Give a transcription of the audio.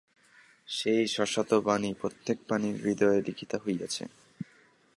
সেই শাশ্বত বাণী প্রত্যেক প্রাণীর হৃদয়ে লিখিত হইয়াছে।